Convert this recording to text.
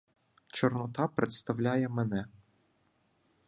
Чорнота представляє мене.